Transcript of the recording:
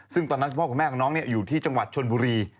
ซึ่งตอนนั้นคุณพ่อคุณแม่ของน้องอยู่ที่จังหวัดชนบุรี